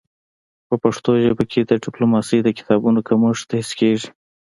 په پښتو ژبه کي د ډيپلوماسی د کتابونو کمښت حس کيږي.